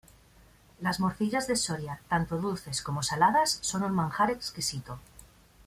Las morcillas de Soria, tanto dulces como saladas, son un manjar exquisito.